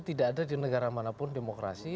tidak ada di negara manapun demokrasi